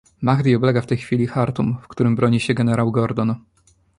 - Mahdi oblega w tej chwili Chartum, w którym broni się generał Gordon.